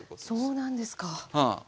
そうなんですか。